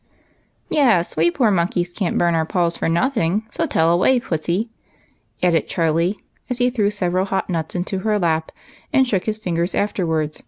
"Yes, we poor monkeys can't burn our paws for nothing, so tell away. Pussy," added Charlie, as he threw several hot nuts into her lap and shook his fin gers afterward.